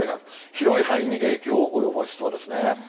広い範囲に影響を及ぼしそうですね。